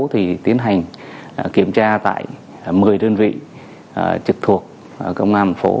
thì tiến hành kiểm tra tại một mươi đơn vị trực thuộc công an phố